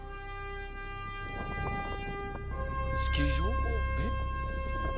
「スキー場？えっ？」